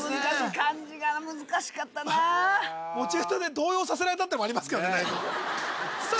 漢字が難しかったな持ち歌で動揺させられたってのもありますけどねさあ